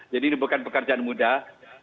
jadi ini bukan pekerjaan mudah